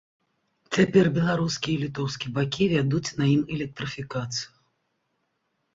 Цяпер беларускі й літоўскі бакі вядуць на ім электрыфікацыю.